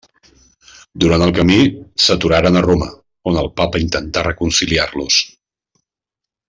Durant el camí, s'aturaren a Roma, on el papa intentà reconciliar-los.